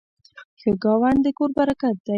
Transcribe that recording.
ښه ګاونډ د کور برکت دی.